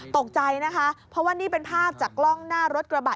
ตกใจนะคะเพราะว่านี่เป็นภาพจากกล้องหน้ารถกระบะ